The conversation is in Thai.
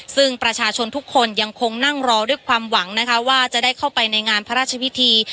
ซึ่งประชาชนทุกคนยังคงนั่งรอด้วยความหวังนะคะว่าจะได้เข้าไปในงานพระราชพิธี